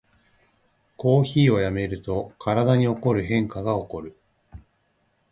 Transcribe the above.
コーヒーをやめると体に起こる変化がおこる